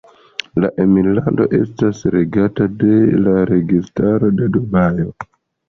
La emirlando estas regata de la Registaro de Dubajo.